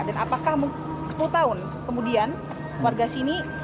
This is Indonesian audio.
dan apakah sepuluh tahun kemudian warga sini